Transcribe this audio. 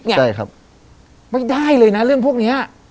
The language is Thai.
ประสบุปริติว่าไม่ได้เลยนะเรื่องพวกนี้